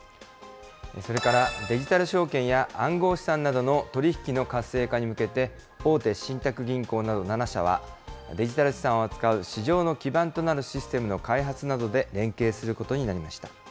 それからデジタル証券や暗号資産などの取り引きの活性化に向けて、大手信託銀行など７社は、デジタル資産を扱う市場の基盤となるシステムの開発などで連携す